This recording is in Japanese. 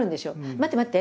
「待って待って！